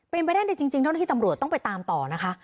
เป็นไปได้จริงเจ้าหน้าที่ตำรวจต้องไปตามต่อนะคะ